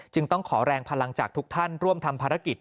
ต้องขอแรงพลังจากทุกท่านร่วมทำภารกิจ